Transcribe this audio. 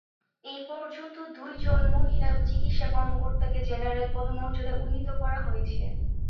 এ পর্যন্ত দুই জন মহিলা চিকিৎসা কর্মকর্তাকে জেনারেল পদমর্যাদায় উন্নীত করা হয়েছে।